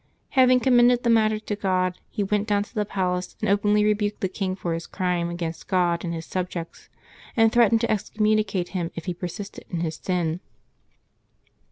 Having commended the matter to God, he went down to the palace and openly rebuked the king for his crime against God and his subjects, and threatened to ex communicate him if he persisted in his sin.